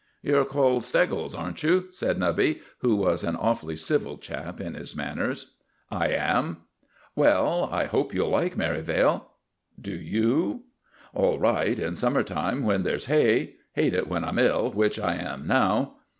"You're called Steggles, aren't you?" said Nubby, who was an awfully civil chap in his manners. "I am." "Well, I hope you'll like Merivale." "Do you?" "All right in summer time when there's hay. Hate it when I'm ill, which I am now."